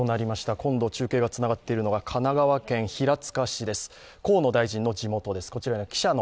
今度中継がつながっているのは神奈川県平塚市です、河野大臣の地元です。